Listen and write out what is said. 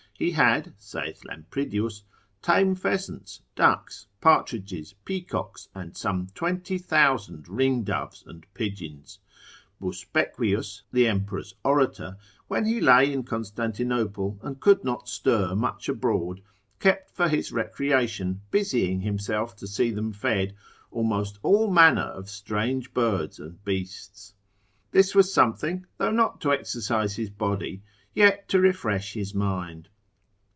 He had (saith Lampridius) tame pheasants, ducks, partridges, peacocks, and some 20,000 ring doves and pigeons. Busbequius, the emperor's orator, when he lay in Constantinople, and could not stir much abroad, kept for his recreation, busying himself to see them fed, almost all manner of strange birds and beasts; this was something, though not to exercise his body, yet to refresh his mind.